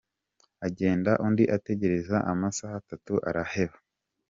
agenda undi ategereza amasaha atatu araheba.